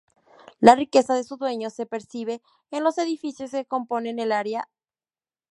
La riqueza de su dueño se percibe en los edificios que componen el área.